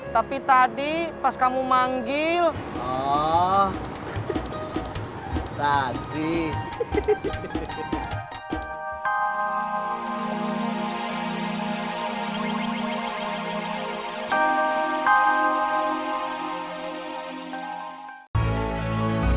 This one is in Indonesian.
tapi tadi aku panggil kok gak nengok sih cuy